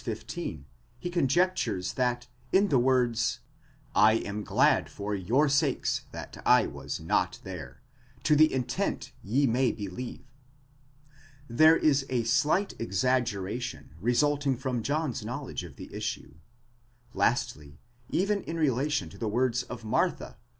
15, he conjectures that in the words χαίρω δι᾿ ὑμᾶς, ἵνα πιστεύσητε, ὅτι οὐκ ἤμην ἐκεῖ, 1 am glad for your sakes that I was not there, to the intent ye may believe, there is a slight exaggeration resulting from John's knowledge of the issue; lastly, even in relation to the words of Martha v.